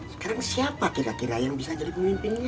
sekarang siapa kira kira yang bisa jadi pemimpinnya